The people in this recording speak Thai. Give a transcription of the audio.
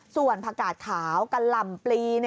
ส่วนพากาศขาวกระหล่ำปลี